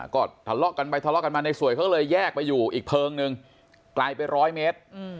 ก็ทะเลาะกันไปทะเลาะกันมาในสวยเขาเลยแยกไปอยู่อีกเพลิงนึงไกลไปร้อยเมตร